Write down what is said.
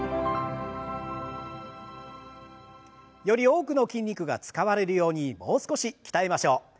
より多くの筋肉が使われるようにもう少し鍛えましょう。